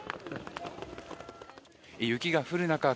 雪が降る中